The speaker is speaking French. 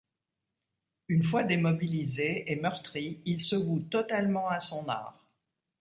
Une fois démobilisé, et meurtri, il se voue totalement à son art.